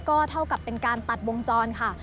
ก็เท่ากับเป็นการตัดวงจรค่ะ